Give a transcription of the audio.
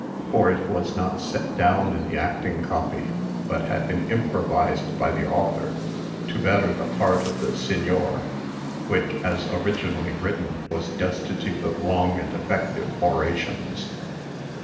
For it was not set down in the acting copy, but had been improvised by the author, to better the part of the Signor, which, as originally written, was destitute of Long and effective orations.